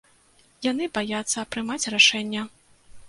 Яны баяцца прымаць рашэнне.